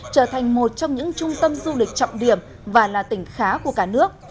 trở thành một trong những trung tâm du lịch trọng điểm và là tỉnh khá của cả nước